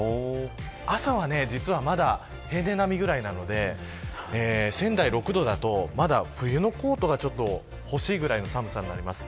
朝は実はまだ平年並みぐらいなので仙台６度だと、まだ冬のコートが欲しいぐらいの寒さになります。